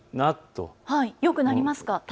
体感はよくなりますか。